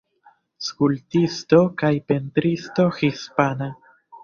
Skulptisto kaj pentristo hispana.